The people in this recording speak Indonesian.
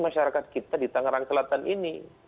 masyarakat kita di tangerang selatan ini